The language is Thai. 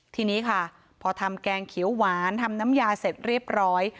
ทีนี้ค่ะพอทำแกงเขียวหวานทำน้ำยาเสร็จเรียบร้อย